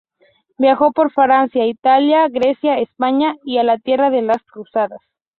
Viajó por Francia, Italia, Grecia, España y la "Tierra de las Cruzadas".